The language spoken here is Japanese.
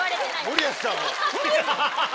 森保さんは。